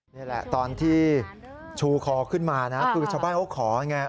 นี่แหละตอนที่ชูคอขึ้นมานะคือชาวบ้านเขาขอไง